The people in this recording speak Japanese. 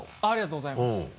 ありがとうございます。